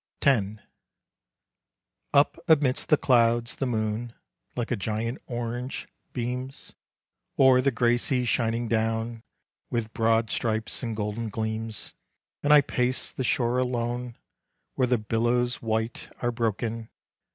X. Up amidst the clouds, the moon, Like a giant orange, beams, O'er the gray sea shining down, With broad stripes and golden gleams. And I pace the shore alone, Where the billows white are broken.